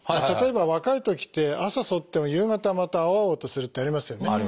例えば若いときって朝そっても夕方また青々とするってありますよね。